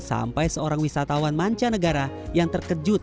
sampai seorang wisatawan manca negara yang terkejut